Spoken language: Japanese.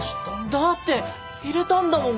だって入れたんだもん